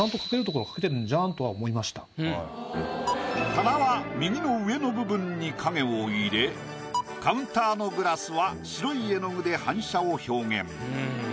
棚は右の上の部分に影を入れカウンターのグラスは白い絵の具で反射を表現。